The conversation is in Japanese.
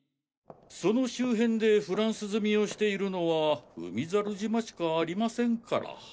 その周辺でフランス積みをしているのは海猿島しかありませんから。